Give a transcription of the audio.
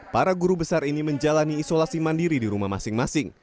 para guru besar ini menjalani isolasi mandiri di rumah masing masing